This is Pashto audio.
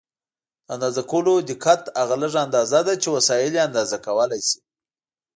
د اندازه کولو دقت هغه لږه اندازه ده چې وسایل یې اندازه کولای شي.